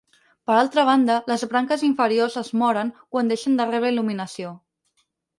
Per altra banda les branques inferiors es moren quan deixen de rebre il·luminació.